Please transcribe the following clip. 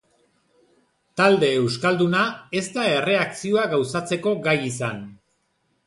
Talde euskalduna ez da erreakzioa gauzatzeko gai izan.